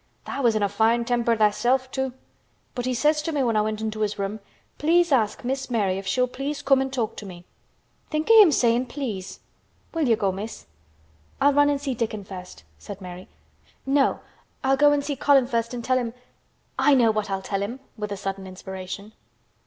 Tha' was in a fine temper tha'self, too. But he says to me when I went into his room, 'Please ask Miss Mary if she'll please come an' talk to me?' Think o' him saying please! Will you go, Miss?" "I'll run and see Dickon first," said Mary. "No, I'll go and see Colin first and tell him—I know what I'll tell him," with a sudden inspiration.